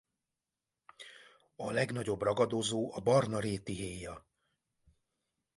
A legnagyobb ragadozó a barna rétihéja.